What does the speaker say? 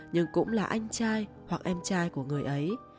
nhưng cũng là anh trai hoặc em trai của người ấy